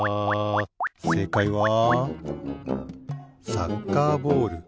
せいかいはサッカーボール。